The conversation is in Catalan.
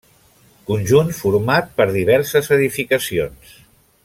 Conjunt format per diverses edificacions.